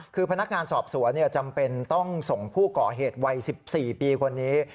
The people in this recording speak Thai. คือพนักงานสอบสวนจำเป็นต้องส่งผู้ก่อเหตุวัย๑๔ปีคนนี้